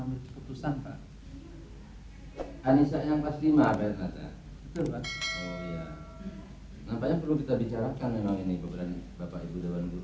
dan itu untuk masa depanmu